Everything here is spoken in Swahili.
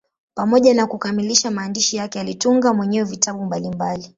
Pamoja na kukamilisha maandishi yake, alitunga mwenyewe vitabu mbalimbali.